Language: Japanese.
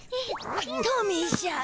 トミーしゃん。